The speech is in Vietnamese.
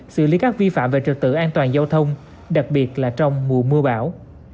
xử lý các vi phạm về trực tự an toàn giao thông đặc biệt là trong mùa mưa bão